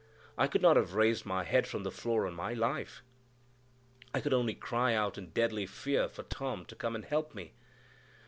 I could not have raised my head from the floor on my life; I could only cry out in deadly fear for Tom to come and help me.